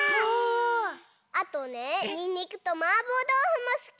あとねにんにくとマーボーどうふもすき！